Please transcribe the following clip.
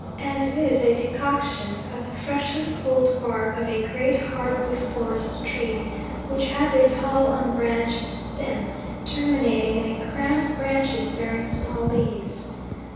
and is a decoction of the freshly pulled bark of a great hard wood forest tree, which has a tall unbranched stem, terminating in a crown of branches bearing small leaves.